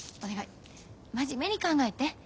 真面目に考えて。